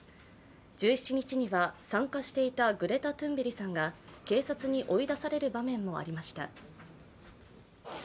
１７日は、参加していたグレタ・トゥンベリさんが警察に追い出される場面もありました。